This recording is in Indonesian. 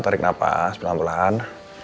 tarik nafas pelan pelan